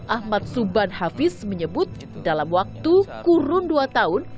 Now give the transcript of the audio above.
ahmad suban hafiz menyebut dalam waktu kurun dua tahun